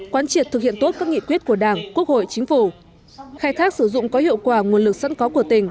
quán triệt thực hiện tốt các nghị quyết của đảng quốc hội chính phủ khai thác sử dụng có hiệu quả nguồn lực sẵn có của tỉnh